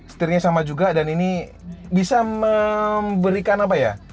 setirnya sama juga dan ini bisa memberikan apa ya